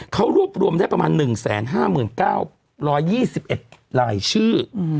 เขารวบรวมได้ประมาณ๑๕๙๒๑รายชื่อ